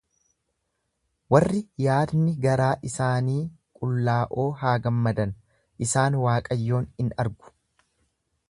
Warri yaadni garaa isaanii qullaa'oo haa gammadan, isaan Waaqayyoon in argu;